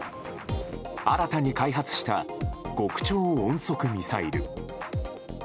新たに開発した極超音速ミサイル。